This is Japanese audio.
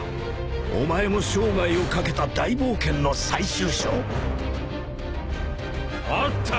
［お前の生涯をかけた大冒険の最終章］あった！